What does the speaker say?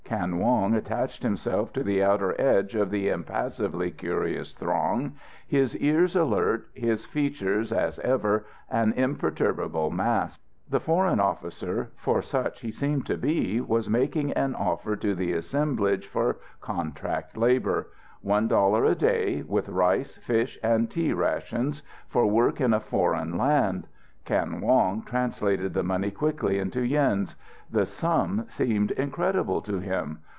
Kan Wong attached himself to the outer edge of the impassively curious throng, his ears alert, his features, as ever, an imperturbable mask. The foreign officer, for such he seemed to be, was making an offer to the assemblage for contract labour: one dollar a day, with rice, fish, and tea rations, for work in a foreign land. Kan Wong translated the money quickly into yens. The sum seemed incredible to him.